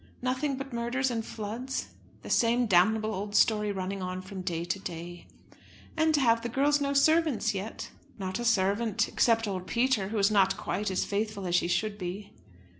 "Nothing but murders and floods?" "The same damnable old story running on from day to day." "And have the girls no servants yet?" "Not a servant; except old Peter, who is not quite as faithful as he should be."